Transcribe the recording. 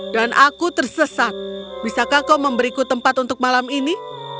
dan aku tersesat bisakah kau memberiku tempat untuk malam ini